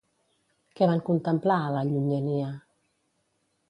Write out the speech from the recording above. Què van contemplar a la llunyania?